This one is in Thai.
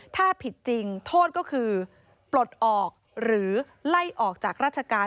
ถ้าผิดจริงโทษก็คือปลดออกหรือไล่ออกจากราชการ